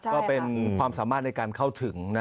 ก็เป็นความสามารถในการเข้าถึงนะ